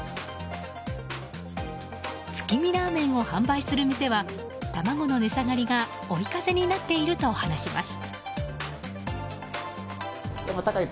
月見ラーメンを販売する店は卵の値下がりが追い風になっていると話します。